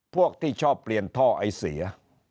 พวกที่ชอบเปลี่ยนท่อไอเสีย